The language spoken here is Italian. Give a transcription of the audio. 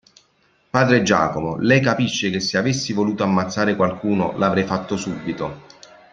Padre Giacomo, lei capisce che se avessi voluto ammazzare qualcuno l'avrei fatto subito.